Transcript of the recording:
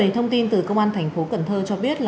thông tin từ công an thành phố cần thơ cho biết